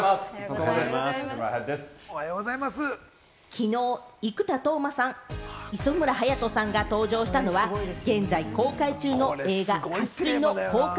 きのう生田斗真さん、磯村勇斗さんが登場したのは、現在公開中の映画『渇水』の公開